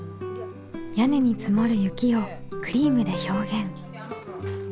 屋根に積もる雪をクリームで表現。